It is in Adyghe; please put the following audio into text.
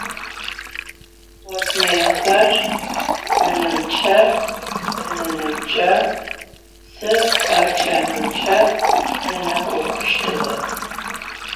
Sportsmênxer ççenımç'e, benenımç'e, psı xepç'enımç'e zenekhokhuştığex.